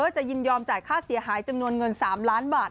ยินยอมจ่ายค่าเสียหายจำนวนเงิน๓ล้านบาท